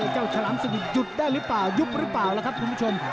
ฉลามสนิทหยุดได้หรือเปล่ายุบหรือเปล่าล่ะครับคุณผู้ชม